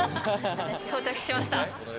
到着しました。